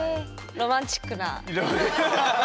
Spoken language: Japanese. ロマンチックな。